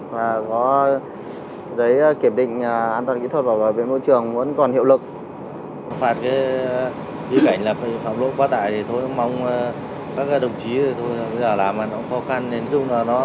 và có giấy kiểm định an toàn kỹ thuật bảo vệ môi trường